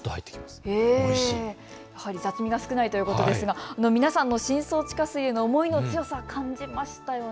雑味が少ないということですが、皆さんの深層地下水への思いの強さを感じました。